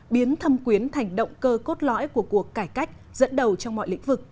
biến thâm quyến thành động cơ cốt lõi của cuộc cải cách dẫn đầu trong mọi lĩnh vực